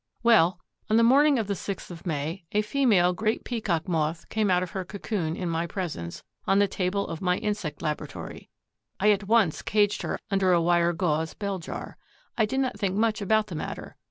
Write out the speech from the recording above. Well, on the morning of the sixth of May, a female Great Peacock Moth came out of her cocoon in my presence, on the table of my insect laboratory. I at once caged her under a wire gauze bell jar. I did not think much about the matter.